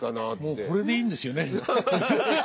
もうこれでいいんですよね。